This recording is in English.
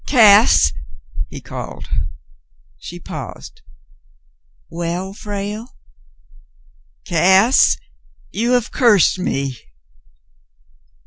"Gass," he called. She paused. " Well, Frale ?" Gass, you hev cursed me."